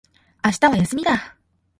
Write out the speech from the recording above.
明日は休みだ